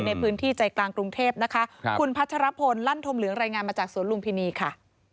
ในพื้นที่ใจกลางกรุงเทพนะคะคุณพัชรพลลั่นธมเหลืองรายงานมาจากสวนลุมพินีค่ะ